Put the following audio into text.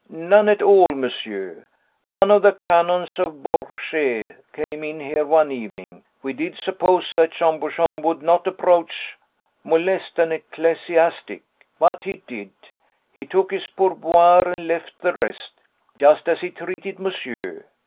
"None at all, monsieur. One of the Canons of Bourges came in here one evening. We did suppose that Jean Bouchon would not approach, molest an ecclesiastic, but he did. He took his pourboire and left the rest, just as he treated monsieur.